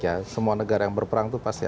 ya semua negara yang berperang itu pasti